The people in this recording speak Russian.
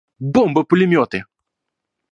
Бомбы-пулеметы!